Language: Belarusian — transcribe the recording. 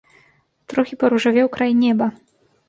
Трохі паружавеў край неба.